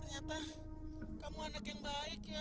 ternyata kamu anak yang baik ya